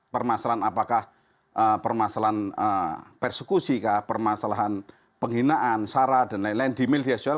permasalahan apakah permasalahan persekusi permasalahan penghinaan sara dan lain lain di media sosial